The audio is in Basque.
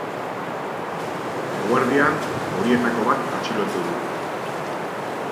Eguerdian, horietako bat atxilotu du.